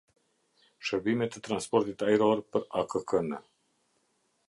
Shërbime të transportit ajror për akk-nër